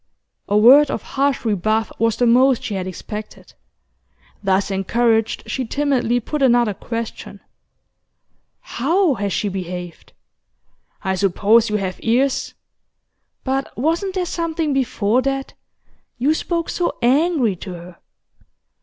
A word of harsh rebuff was the most she had expected. Thus encouraged, she timidly put another question. 'How has she behaved?' 'I suppose you have ears?' 'But wasn't there something before that? You spoke so angry to her.